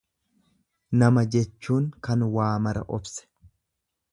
Nama jechuun kan waa mara obse.